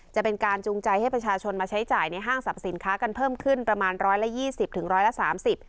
จะเป็นการจูงใจให้ประชาชนมาใช้จ่ายในห้างสรรพสินค้ากันเพิ่มขึ้นประมาณร้อยละยี่สิบถึงร้อยละสามสิบ